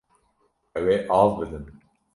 Ew ê av bidin.